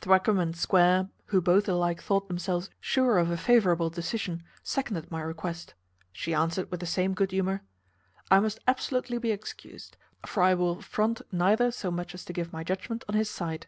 Thwackum and Square, who both alike thought themselves sure of a favourable decision, seconded my request. She answered with the same good humour, `I must absolutely be excused: for I will affront neither so much as to give my judgment on his side.'